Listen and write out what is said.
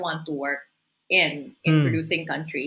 dalam negara yang memproduksi